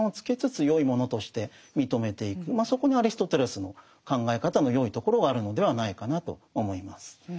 そこにアリストテレスの考え方のよいところがあるのではないかなと思います。